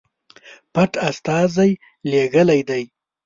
پټ استازي لېږلي دي.